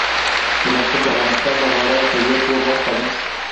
رسوب د افغانستان د بډایه طبیعت یوه برخه ده.